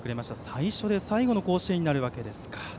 最初で最後の甲子園になるわけですか。